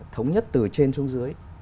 thống nhất từ trên xuống dưới